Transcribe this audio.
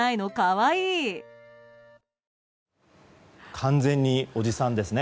完全におじさんですね。